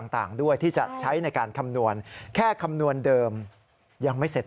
ต่างด้วยที่จะใช้ในการคำนวณแค่คำนวณเดิมยังไม่เสร็จ